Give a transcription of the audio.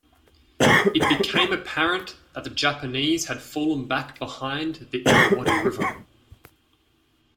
It became apparent that the Japanese had fallen back behind the Irrawaddy River.